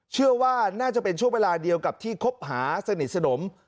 เชื่อว่าน่าจะเป็นช่วงเวลาเดียวกับที่คบหาสนิทสนม